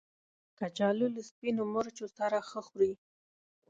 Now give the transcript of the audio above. کچالو له سپینو مرچو سره ښه خوري